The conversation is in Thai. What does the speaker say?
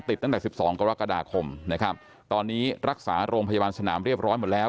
ตั้งแต่๑๒กรกฎาคมนะครับตอนนี้รักษาโรงพยาบาลสนามเรียบร้อยหมดแล้ว